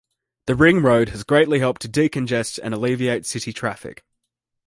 The Ring Road has greatly helped to decongest and alleviate city traffic.